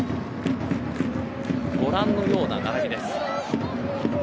ご覧のような並びです。